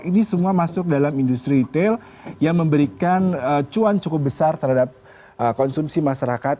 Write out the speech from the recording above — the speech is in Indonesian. ini semua masuk dalam industri retail yang memberikan cuan cukup besar terhadap konsumsi masyarakat